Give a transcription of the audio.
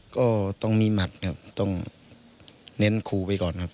ก็ต้องมีหมัดครับต้องเน้นครูไปก่อนครับ